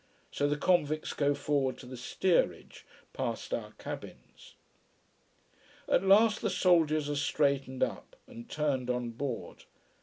So the convicts go forward to the steerage, past our cabins. At last the soldiers are straightened up, and turned on board.